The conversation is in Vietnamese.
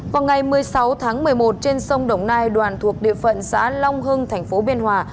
vào ngày một mươi sáu tháng một mươi một trên sông đồng nai đoàn thuộc địa phận xã long hưng thành phố biên hòa